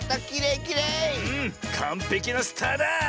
かんぺきなスターだ！